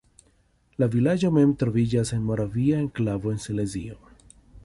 La vilaĝo mem troviĝas en moravia enklavo en Silezio.